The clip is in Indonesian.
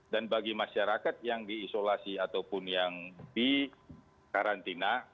dan bagi masyarakat yang diisolasi ataupun yang di karantina